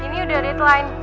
ini udah deadline